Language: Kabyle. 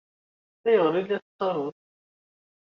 Ayɣer i la tettruḍ?